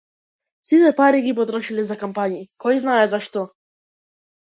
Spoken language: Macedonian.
Сите пари ги потрошиле за кампањи, којзнае за што.